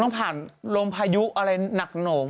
ต้องผ่านลมพายุอะไรหนักหน่ง